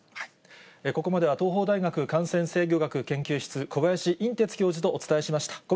ここまでは東邦大学感染制御学研究室、小林寅てつ教授とお伝えしました。